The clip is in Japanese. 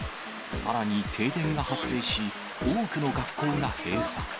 さらに停電が発生し、多くの学校が閉鎖。